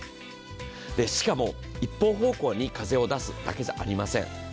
しかも、一方方向に風を出すだけじゃありません。